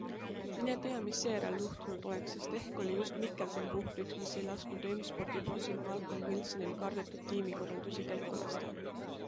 Mine tea, mis seejärel juhtunud oleks, sest ehk oli just Mikkelsen puhvriks, mis ei lasknud M-Spordi bossil Malcolm Wilsonil kardetud tiimikorraldusi käiku lasta.